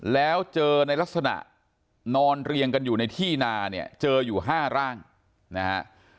แล้วเจอในลักษณะนอนเรียงกันอยู่ในที่นาเนี่ยเจออยู่๕ร่างนะฮะ